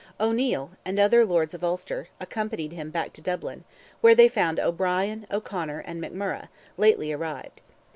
O'Neil, and other lords of Ulster, accompanied him back to Dublin, where they found O'Brien, O'Conor, and McMurrogh, lately arrived.